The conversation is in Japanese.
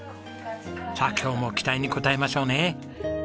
さあ今日も期待に応えましょうね。